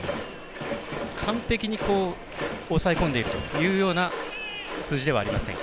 完璧に抑え込んでいるというような数字ではありません。